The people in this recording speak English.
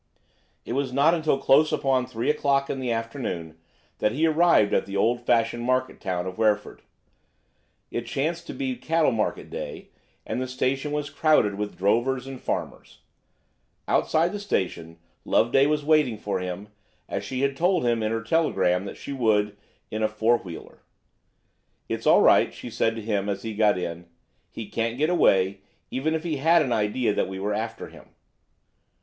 It was not until close upon three o'clock in the afternoon that he arrived at the old fashioned market town of Wreford. It chanced to be cattle market day, and the station was crowded with drovers and farmers. Outside the station Loveday was waiting for him, as she had told him in her telegram that she would, in a four wheeler. "It's all right," she said to him as he got in; "he can't get away, even if he had an idea that we were after him.